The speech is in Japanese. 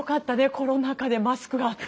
コロナ禍でマスクがあって。